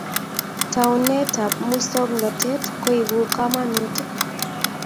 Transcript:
Taunet ab musongnotet koibu kamanutik.